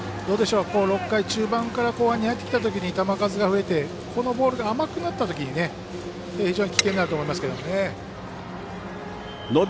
６回、中盤から後半に入ってきたときこのボールが甘くなってきたとき非常に危険になると思いますけどね。